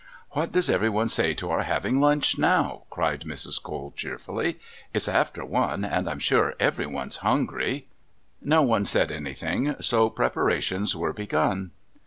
"What does everyone say to our having lunch now?" cried Mrs. Cole cheerfully. "It's after one, and I'm sure everyone's hungry." No one said anything, so preparations were begun.